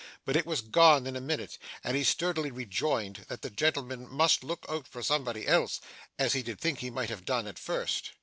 But it was gone in a minute, and he sturdily rejoined that the gentleman must look out for somebody else, as he did think he might have done at first.